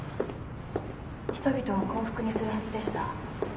人々を幸福にするはずでした。